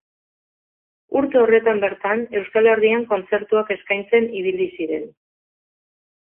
Urte horretan bertan, Euskal Herrian kontzertuak eskaintzen ibili ziren.